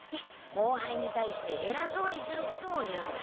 後輩に対してえらそうにすることを言うんだ。